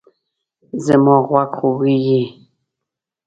زما غوږ خوږیږي